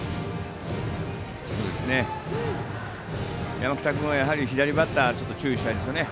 山北君は、やはり左バッター、注意したいですね。